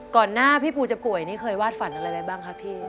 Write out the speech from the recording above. ก่อนหน้าพี่ปูจะปวดเคยวาดฝันอะไรแบบบ้าง